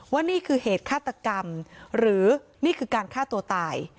ว่านี่คือเหตุฆาตกรรมหรือนี่คือการฆ่าตัวตาย